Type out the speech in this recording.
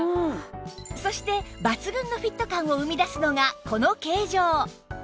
そして抜群のフィット感を生み出すのがこの形状